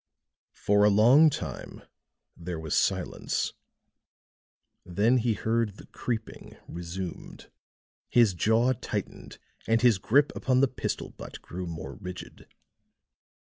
For a long time there was silence; then he heard the creeping resumed; his jaw tightened and his grip upon the pistol butt grew more rigid.